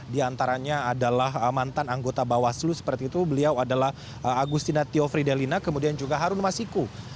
di antaranya adalah mantan anggota bawaslu seperti itu beliau adalah agustina tio fridelina kemudian juga harun masiku